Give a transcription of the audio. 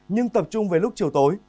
nhưng tập trung về lúc chiều tối